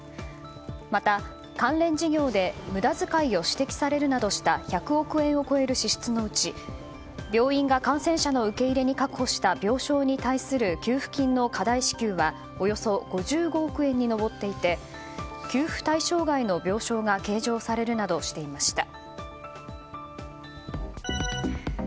また、関連事業で無駄使いを指摘されるなどした１００億円を超える支出のうち病院が感染者の受け入れに確保した病床に対する給付金の過大支給はおよそ５５億円に上っていて給付対象外の病床が計上されるなどしていました。